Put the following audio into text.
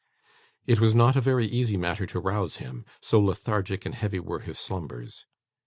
It was not a very easy matter to rouse him: so lethargic and heavy were his slumbers.